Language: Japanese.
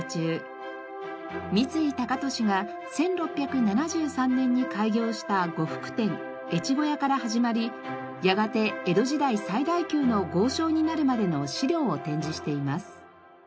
三井高利が１６７３年に開業した呉服店越後屋から始まりやがて江戸時代最大級の豪商になるまでの資料を展示しています。